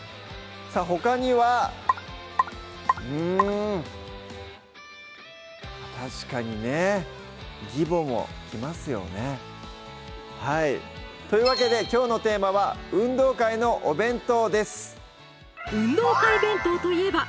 さぁほかにはうん確かにね義母も来ますよねはいというわけできょうのテーマは「運動会のお弁当」です